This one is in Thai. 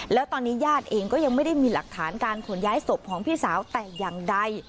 แล้วตอนนี้ญาติเองก็ยังไม่ได้มีหลักฐานการขนย้ายศพของพี่สาวแต่อย่างใด